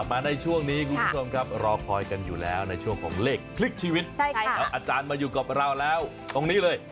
อาจารย์มาอยู่กับเราแล้วตรงนี้เลย